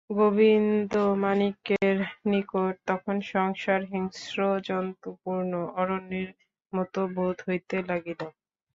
গোবিন্দমাণিক্যের নিকট তখন সংসার হিংস্রজন্তুপূর্ণ অরণ্যের মতো বোধ হইতে লাগিল।